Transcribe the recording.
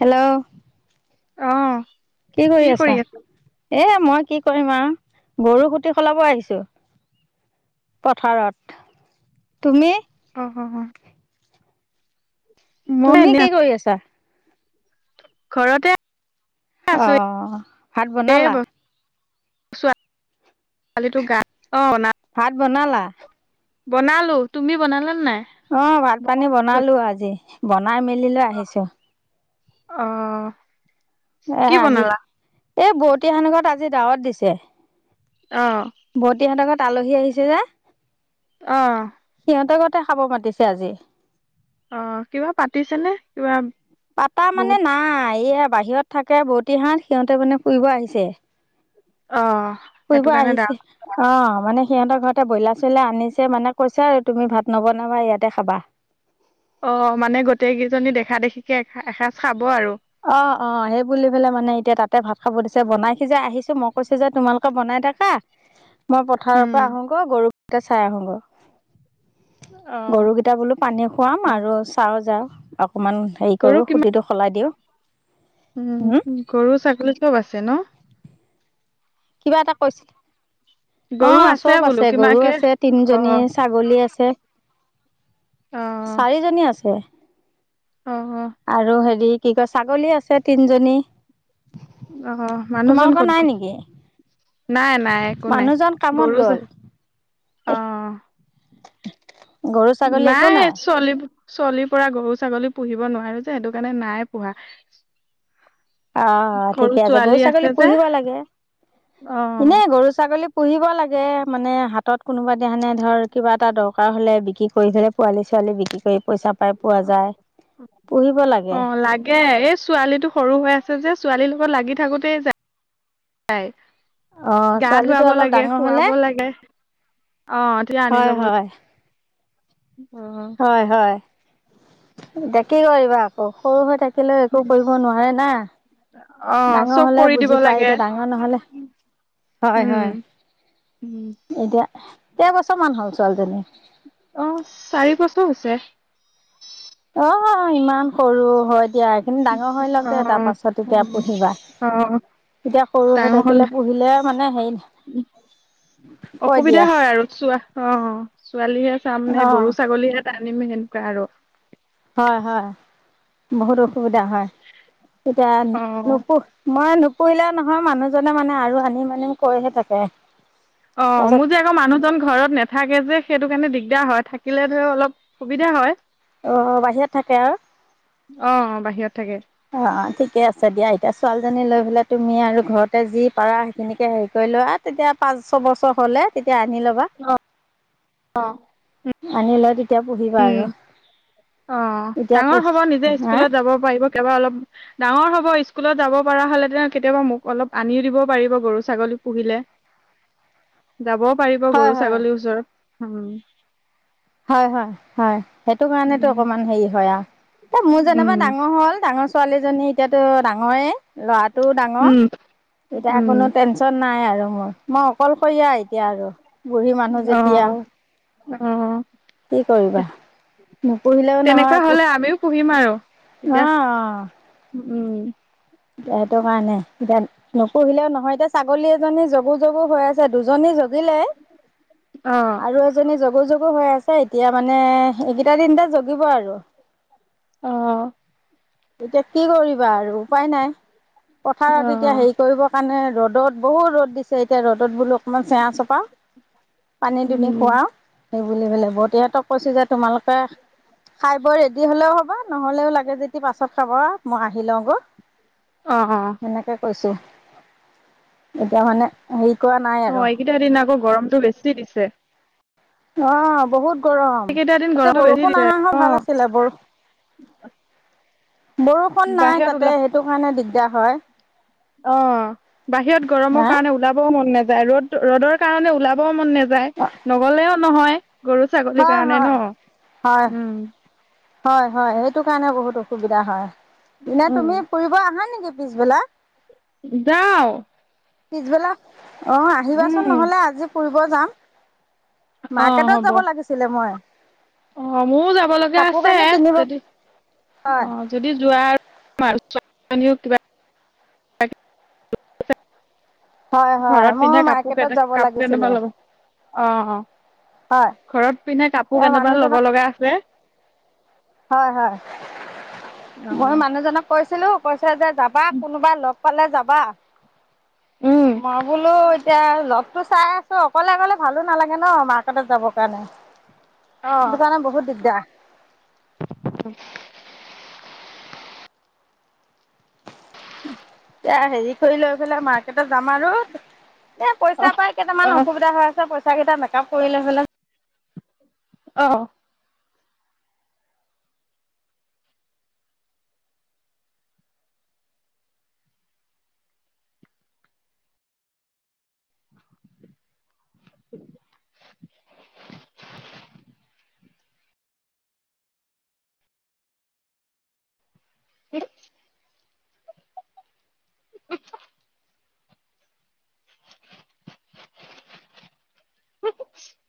Hello. অ'। কি কৰি আছা, এয়া মই কি কৰিম আৰু গৰু সুটি সলাব আহিছো। পথাৰত, তুমি? অ', অ', অ'। মই তুমি এনে কি আছো কৰি আছা। ঘৰতে আছো অ', ভাত এই বনালা। [unintelligible] ভাত বনালা। বনালো, তুমি বনালা নাই। অ', ভাত পানী বনালো আজি, বনাই মেলি লৈ আহিছোঁ। অ'। এ কি আজি বনালা? এই বৌতি [unintelligible] ঘৰত আজি দাৱত দিছে। অ'। বৌতিহতঁৰ ঘৰত আলহী আহিছে যে। অ'। সিহঁতৰ ঘৰতে খাব মাতিছেঁ আজি। অ', কিবা পাতিছেনে, কিবা পাতা বহুত মানে নাই, এইয়া বাহিৰত থাকে বৌতি হঁত, সিহঁতে মানে ফুৰিব আহিছে। অ'। ফুৰিব সেইটো কাৰণে দা আহিছে। অ', মানে সিহঁতৰ ঘৰতে ব্ৰইলাৰ চইলাৰ আনিছে মানে কৈছে আৰু তুমি ভাত নবনাবা ইয়াতে খাবা। অ', মানে গোটেই কেইজনী দেখা দেখিকে এ- এসাঁজ খাব আৰু। অ', অ' সেই বুলি পেলেই মানে এতিয়া তাতে ভাত খাব দিছে বনাই সিজাই আহিছো, মই কৈছো যে তোমালোকে বনাই থাকা মই পথাৰৰ উম, পৰা আহোগৈ, গৰুকেইটা চাই আহোগৈ। অ', গৰুকেইটা বোলো পানী খুৱাম অ', আৰু চাওঁ যাওঁ অকণমান হেৰি গৰু কৰোঁ কিমান খুঁটিটো সলাই দিওঁ। হম উম, গৰু ছাগলী চব আছে ন। কিবা এটা কৈছিল, গৰু অ', চব বোলো আছে গৰু কিমানকে আছে তিনিজনী অ', চাগ গলী আছে। চাৰিজনী আছে। অ', অ'। আৰু হেৰি কি কয় ছাগলী আছে তিনজনী। অহ, মানুহজন তোমালোকৰ ক'ত নাই গ'ল। নেকি নাই, নাই একো নাই, মানুহজন কামত গৰু জ, গ'ল অ'। [inaudible] গৰু ছাগলী একো নাই চলি- চলিৰ পৰা গৰু ছাগলী পুহিব নোৱাৰো যে, সেইটো কাৰণে নাই পোহা। অ', সৰু ঠিকে আছে গৰু ছোৱালী ছাগলী যে পুহিব লাগে, অ ইনে গৰু ছাগলী পুহিব লাগে মানে হাতত কোনোবা দিনাখনে ধৰ কিবা এটা দৰকাৰ হ'লে বিক্ৰী কৰি হ'লে পোৱালী ছোৱালী বিক্ৰী কৰি পইচা পাই। পোৱা যায় পুহিব লাগে অ', লাগে এই ছোৱালীটো সৰু হৈ আছে যে, ছোৱালীৰ লগত লাগি থাকোতেই যা [unintelligible] যায়। অ গা ছোৱালীটো ধুৱাব অলপ লাগে ডাঙৰ হলে শুৱাব লাগে অ'। তেতিয়া আনি হয়, ল'ব হয়। অ', হয়, হয় এতিয়াঁ কি কৰিবা আকৌ সৰু হৈ থাক কেলে একো কৰিব নোৱাৰে না। অ ডাঙৰ চব হলে কৰি দিব বুজি পায় লাগে এতিয়াঁ ডাঙৰ নহলে হয় উম, হয় উম এতিয়া কেইবছৰমান হ'ল ছোৱালীজনী। অ', চাৰি বছৰ হৈছে। অ', ইমান সৰু হয় দিয়া। হীন ডাঙৰ হৈ লওক অ দে তাৰ পাছত তেতিয়া পুহিবা। অ এতিয়া, সৰু হৈ ডাঙৰ হ'ল থাকিলে, পুহিলে মানে হেৰি, কৈ দিয়া। চোৱাহ, অ', ছোৱালী এ চাম নে, গৰু অ', ছাগলীয়ে তানিম, সেনেকুৱা আৰু। হয় হয়, বহুত অসুবিধা হয়, তেতিয়া অ নুপুহ মই নুপুহিলে নহয়, মানুহজনে মানে, আৰু আনিম আনিম কৈহে থাকে। অ', তাৰপিছত মোৰ যে, আকৌ মানুহজন ঘৰত নে নেথাকে যে, সেইটো কাৰণে দিগদাৰ হয়, থাকিলে ধৰক অলপ সুবিধা হয়। অ', বাহিৰত থাকে আৰু? অ', বাহিৰত থাকে। অ', ঠিকেই আছে দিয়া, এতিয়া ছোৱালীজনী লৈ পেলাই তুমি আৰু ঘৰতে যি পাৰা, সেইখিনিকে হেৰি কৰি লোৱা। তেতিয়া পাঁচ-ছ বছৰ হলে তেতিয়া আনি লবা, আনি লৈ তেতি উম, অ', এতিয়া ডাঙৰ পুহ হ'ব, নিজে হা স্কুলত যাব পাৰিব, কেৱল অলপ ডাঙৰ হ'ব, স্কুলত যাব পৰা হ'লে, তেতিয়া কেতিয়াবা মোক অলপ আনিও দিব পাৰিব, গৰু ছাগলী পুহিলে। [inaudible] যাবও পাৰিব, হয় গৰু হয় ছাগলীৰ ওচৰত, হুম। হয় হয়, হয়, সেইটো কাৰণেতো উম অকমান হেৰি হয় আৰু, এ মোৰ উম যেনেবা ডাঙৰ ডাঙৰ হ'ল, ডাঙৰ ছোৱালীজনী এতিয়াতো ডাঙৰেই, ল'ৰাটোও ডাঙৰ। উম এতিয়া, কোনো উম টেনচন নাই আৰু মোৰ, মই অকলশৰীয়া এতিয়া আৰু। বুঢ়ী মানুহ যেতিয়া, অ অ কি কৰিবা? নুপুহিলেও নহয়, তেনেকুৱা আকৌ, হলে আমিও পুহিম অ উ, উম। এতিয়া, এইটো কাৰণেই, নুপুহিলেও নহয়, এতিয়া, ছাগলী এজনী জগু জগু হৈ আছে, দুজনী জগ জগিলে, অ আৰু এ এজনী জগু জগু হৈ আছে, এতিয়া মানে, এইকেইটা দিনতে জগিব আৰু। অহ। এতিয়া কি কৰিবা আৰু? উপায় নাই, অ পথাৰত এতিয়া, হেৰি কৰিবৰ কাৰণে ৰ'দত, বহুত ৰ'দ দিছে এতিয়া, ৰ'দত বোলো অকণমান চেৱা চপাওঁ, পানী দুনি উম খুৱাওঁ। সেইবুলি বেলে বতি হতক কৈছে যে তোমালোক [unintelligible] খাই বই ৰেডি হলেও হ'ব, নহ'লেও লাগে যদি পাছত খাব, মই আহি লওঁগৈ। অ অ। এনেকে কৈছো, এতিয়া, মানে হেৰি কৰা নাই অ আৰু। এইকেইটা দিন আকৌ, গৰমটো বেছি দিছে। অঁ', বহুত গৰম। এইকেইটা দিন তা'তে গৰমটো বেছি বৰষুণ দিছে অহা হ'লে অ ভাল আছিলে - বৰষুণ নাই বাহিৰত তা'তে ওলা সেইটো কাৰণে দিগদাৰ হয়। অ', বাহিৰত গৰমৰ হা কাৰণে ওলাবও মন নাযায়, ৰ'দ ৰ'দৰ কাৰণে ওলাবও মন নেযায়, নগ'লেও নহয়। গৰু, ছাগলীৰ কাৰণে ন' উমঁ'। হয়-হয় সেইটো কাৰণে বহুত অসুবিধা হয়। এনেই উম তুমি ফুৰিব আহা নেকি- পিছবেলা? যাওঁ। পিছবেলা, অঁ', -আহিবাচোন উম নহ'লে আজি ফুৰিব যাম। অ মাৰ্কেটত হ'ব যাব লাগিছিলে মই। অ', মও যাব লগীয়া কাপোৰ আছে, কানি কিনিব যদি হয় অ',। [unintelligible] হয় হয় ঘৰত মোৰ পিন্ধা মাৰ্কেটত কাপোৰ-কানি যাব কাপোৰ লাগিছিলে কেইটামান ল'ব লগীয়া আছে। অঁ', -অ', হয় ঘৰত পিন্ধা কাপোৰ এই কেইটামান ল'ব মানুহজনক লগা আছে। হয়-হয়। অ মই মানুহজনক কৈছিলো- কৈছে যে যাবা কোনোবাক লগ পালে যাবা, উম মই বোলো- এতিয়া লগতো চাই আছো অকলে-অকলে ভালো নালাগে ন' মাৰ্কেটত যাবৰ কাৰণে। অ সেইটো কাৰণে বহুত দিগদাৰ। [unintelligible] এতিয়া হেৰি কৰি লৈ পেলাই মাৰ্কেটত যাম আৰু- এ' পইচা অ পাই কেইটামান অসুবিধা হৈ আছে, পইচা কেইটা মেকআপ কৰিলে হ'লে অঁহ'। [unintelligible] ক? [unintelligible] [unintelligible]